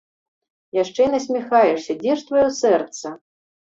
Яшчэ і насміхаешся, дзе ж тваё сэрца?